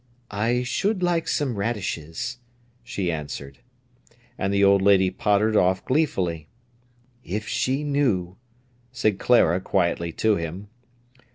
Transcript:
"I should like some radishes," she answered. And the old lady pottered off gleefully. "If she knew!" said Clara quietly to him.